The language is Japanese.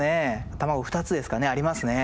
卵２つですかねありますね。